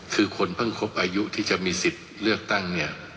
คือคนเพิ่งครบอายุที่จะมีสิทธิ์เลือกตั้งเนี่ย